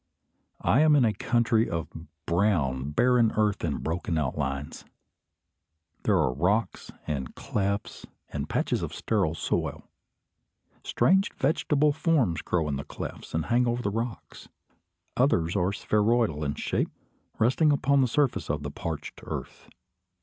I am in a country of brown barren earth and broken outlines. There are rocks and clefts and patches of sterile soil. Strange vegetable forms grow in the clefts and hang over the rocks. Others are spheroidal in shape, resting upon the surface of the parched earth.